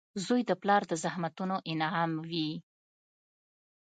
• زوی د پلار د زحمتونو انعام وي.